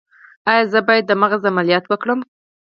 ایا زه باید د مغز عملیات وکړم؟